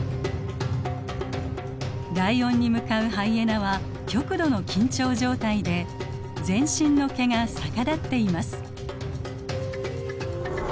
ライオンに向かうハイエナは極度の緊張状態で全身の毛が逆立っています。